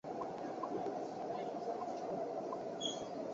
国家文物局分管领导也专门发来唁电。